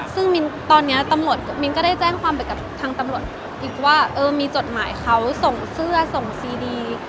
ซึ่งมินตอนนี้ตำรวจมิ้นก็ได้แจ้งความไปกับทางตำรวจอีกว่าเออมีจดหมายเขาส่งเสื้อส่งซีดี